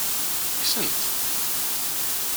Kksen-t.